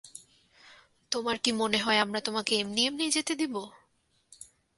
তোমার কী মনে হয় আমরা তোমাকে এমনি এমনিই যেতে দেব?